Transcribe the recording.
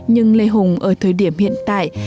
nhưng lê hùng ở thời điểm hiện tại